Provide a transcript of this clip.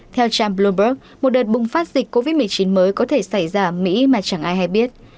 theo cham bloomberg một đợt bùng phát dịch covid một mươi chín mới có thể xảy ra ở mỹ mà chẳng ai hay biết